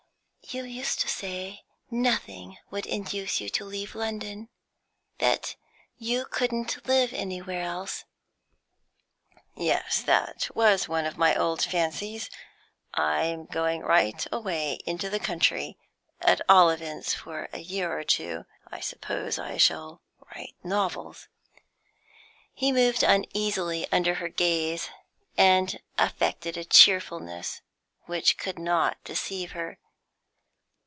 "You used to say nothing would induce you to leave London, and that you couldn't live anywhere else." "Yes; that was one of my old fancies. I am going right away into the country, at all events for a year or two. I suppose I shall write novels." He moved uneasily under her gaze, and affected a cheerfulness which could not deceive her.